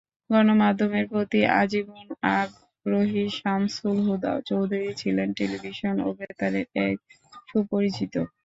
গণমাধ্যমের প্রতি আজীবন আগ্রহী শামসুল হুদা চৌধুরী ছিলেন টেলিভিশন ও বেতারের এক সুপরিচিত।